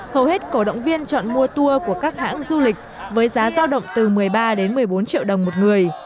hầu hết cổ động viên chọn mua tour của các hãng du lịch với giá giao động từ một mươi ba đến một mươi bốn triệu đồng một người